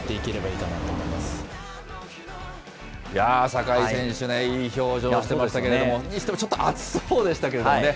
酒井選手ね、いい表情してましたけれども、にしても、ちょっと暑そうでしたけれどもね。